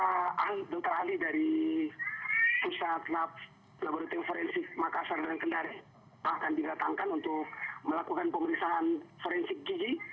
para dokter ahli dari pusat lab laboratorium forensik makassar dan kendari akan didatangkan untuk melakukan pemeriksaan forensik gigi